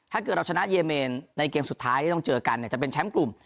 ถ้าเกิดเราชนะเยเมนในเกมสุดท้ายที่ต้องเจอกันเนี่ยจะเป็นแชมป์กลุ่ม